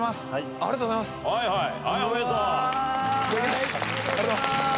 ありがとうございます。